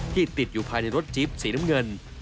ติดอยู่ภายในรถจิ๊บสีน้ำเงิน